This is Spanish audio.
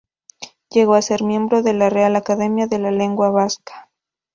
Llegó a ser miembro de la Real Academia de la Lengua Vasca.